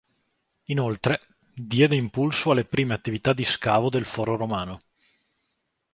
Inoltre, diede impulso alle prime attività di scavo del Foro Romano.